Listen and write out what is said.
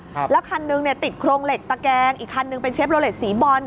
ครับแล้วคันนึงเนี่ยติดโครงเหล็กตะแกงอีกคันหนึ่งเป็นเชฟโลเลสสีบอล